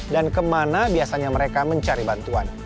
dan kemana biasanya mereka mencari bantuan